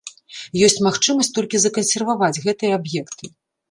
Ёсць магчымасць толькі закансерваваць гэтыя аб'екты.